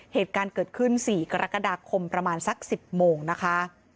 เหตุการณ์เกิดขึ้น๔กรกฎาคมประมาณสัก๑๐โมงนะคะ